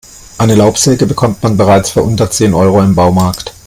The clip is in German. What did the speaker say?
Eine Laubsäge bekommt man bereits für unter zehn Euro im Baumarkt.